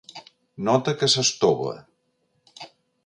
Nota que s'estova.